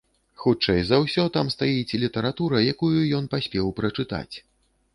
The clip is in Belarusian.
Хутчэй за ўсё, там стаіць літаратура, якую ён паспеў прачытаць!